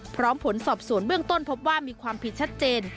ผลสอบสวนเบื้องต้นพบว่ามีความผิดชัดเจน